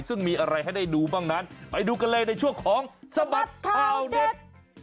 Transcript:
ซึ่งมีอะไรให้ได้ดูบ้างนั้นไปดูกันเลยในช่วงของสบัดข่าวเด็ด